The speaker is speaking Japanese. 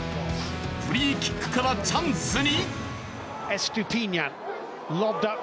フリーキックからチャンスに。